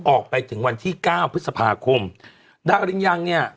ออกไปถึงวันที่เก้าพฤษภาคมดารินยังเนี่ย